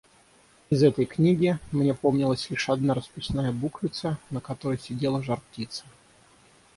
Из этой книги мне помнилась лишь одна расписная буквица, на которой сидела жар-птица.